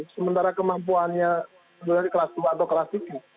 sementara kemampuannya dari kelas dua atau kelas tiga